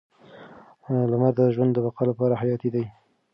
لمر د ژوند د بقا لپاره حیاتي دی.